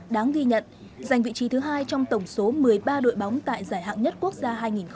đáng ghi nhận giành vị trí thứ hai trong tổng số một mươi ba đội bóng tại giải hạng nhất quốc gia hai nghìn một mươi tám